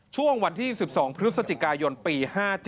ช่วงวันที่๑๒พฤศจิกายนปี๕๗